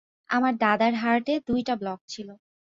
আমার দাদার হার্টে দুইটা ব্লক ছিলো।